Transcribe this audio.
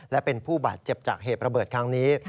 และเป็นผู้บาดเจ็บจากเหตุระเบิดครั้งนี้